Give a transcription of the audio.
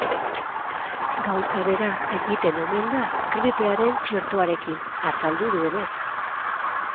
Gauza bera egiten omen da gripearen txertoarekin, azaldu duenez.